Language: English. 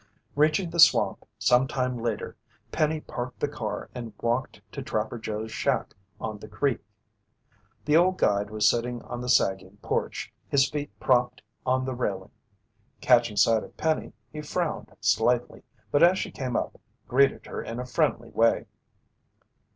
Reaching the swamp sometime later, Penny parked the car and walked to Trapper Joe's shack on the creek. The old guide was sitting on the sagging porch, his feet propped on the railing. Catching sight of Penny he frowned slightly, but as she came up, greeted her in a friendly way.